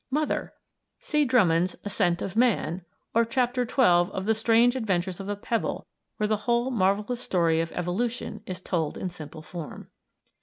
Mother! (See Drummond's "Ascent of Man," or Chapter XII of "The Strange Adventures of a Pebble," where the whole marvellous story of evolution is told in simple form.)